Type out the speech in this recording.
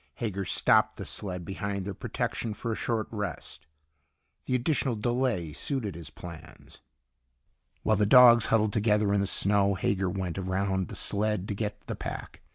Hager stopped the sled behind their protection for a short rest. The additional delay suited his plans. While the dogs huddled together in the snow, Hager went around the sled to get the pack.